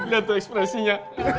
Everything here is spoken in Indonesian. gila tuh ekspresinya